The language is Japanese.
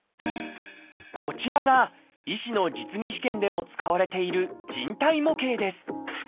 こちらが医師の実技試験でも使われている人体模型です。